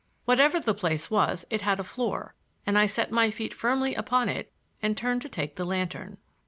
Whatever the place was it had a floor and I set my feet firmly upon it and turned to take the lantern.